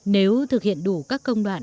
nếu thực hiện đủ các công đoạn